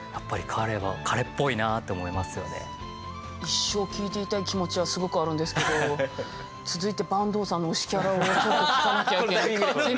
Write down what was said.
一生聞いていたい気持ちはすごくあるんですけど続いて坂東さんの推しキャラをちょっと聞かなきゃいけなくて。